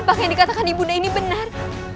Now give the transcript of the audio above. apakah yang dikatakan ibu dinda ini benar